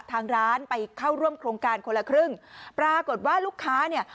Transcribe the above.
ทางร้านไปเข้าร่วมโครงการคนละครึ่งปรากฏว่าลูกค้าเนี่ย